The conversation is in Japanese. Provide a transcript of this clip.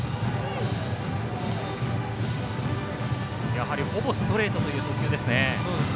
やはり、ほぼストレートという投球ですね。